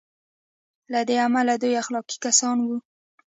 له دې امله دوی اخلاقي کسان دي.